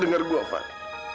dengar gua van